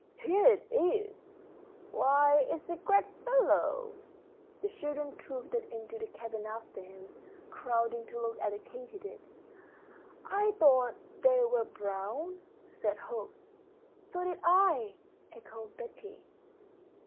"Here it is! Why, it's a great fellow!" The children trooped into the cabin after him, crowding to look at the katydid. "I thought they were brown," said Hope. "So did I," echoed Betty.